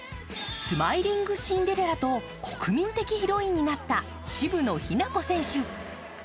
スマイリングシンデレラと、国民的ヒロインになった渋野日向子選手。